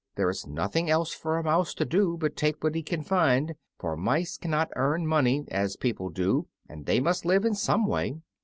There is nothing else for a mouse to do but take what he can find, for mice cannot earn money, as people do, and they must live in some way.